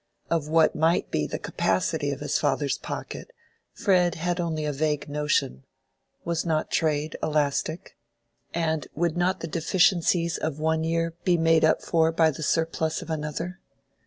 Of what might be the capacity of his father's pocket, Fred had only a vague notion: was not trade elastic? And would not the deficiencies of one year be made up for by the surplus of another?